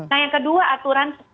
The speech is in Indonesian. nah yang kedua aturan